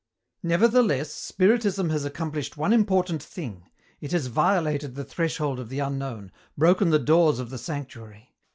"Nevertheless, Spiritism has accomplished one important thing. It has violated the threshold of the unknown, broken the doors of the sanctuary.